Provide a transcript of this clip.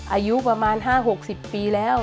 อายุประมาณ๕๖๐ปีแล้ว